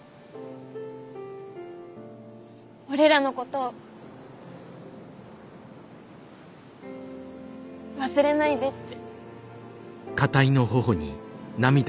オレらのこと忘れないでって。